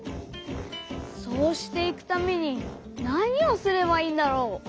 そうしていくためになにをすればいいんだろう？